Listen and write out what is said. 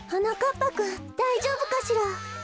ぱくんだいじょうぶかしら？